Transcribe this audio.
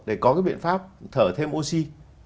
để có cái biện pháp thở thêm oxy